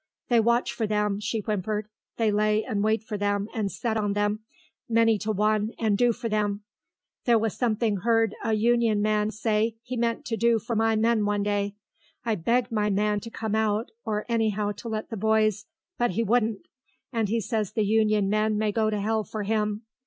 "They watch for them," she whimpered. "They lay and wait for them, and set on them, many to one, and do for them. There was someone 'eard a Union man say he meant to do for my men one day. I begged my man to come out, or anyhow to let the boys, but he wouldn't, and he says the Union men may go to 'ell for 'im.